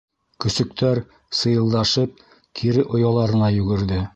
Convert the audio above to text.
Көсөктәр, сыйылдашып, кире ояларына йүгерҙе.